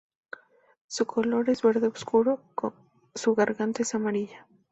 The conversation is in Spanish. Su color es verde oscuro, su garganta es amarilla.